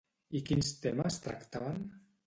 I quins temes tractaven?